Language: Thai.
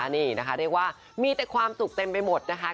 นี่นะคะเรียกว่ามีแต่ความสุขเต็มไปหมดนะคะ